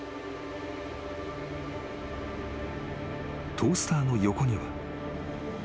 ［トースターの横には］